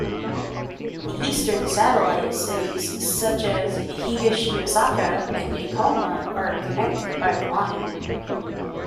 The eastern satellite cities such as Higashiosaka and Ikoma are connected by the line.